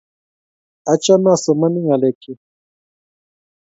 Achame asomani ngalekyik